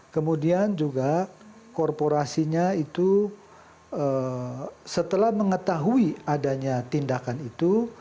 kemudian juga korporasinya itu setelah mengetahui adanya tindakan itu